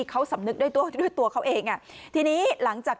เขาสำนึกด้วยตัวด้วยตัวเขาเองอ่ะทีนี้หลังจาก